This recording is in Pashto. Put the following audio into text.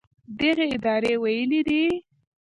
دغې ادارې ویلي دي